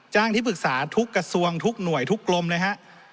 จ้างที่ปรึกษาทุกกระทรวงทุกหน่วยทุกกลมนะครับ